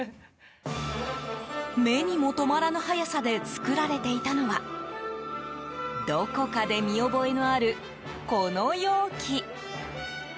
目にも留まらぬ速さで作られていたのはどこかで見覚えのあるこの容器。